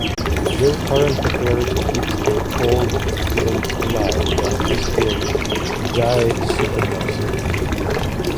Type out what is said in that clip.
Their current popularity keeps their old films alive, like this film, "Die Supernasen".